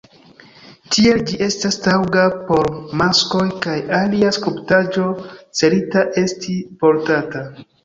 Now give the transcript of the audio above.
Tiel ĝi estas taŭga por maskoj kaj alia skulptaĵo celita esti portata.